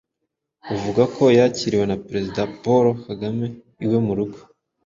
uvuga ko yakiriwe na Perezida Paul Kagame iwe mu rugo,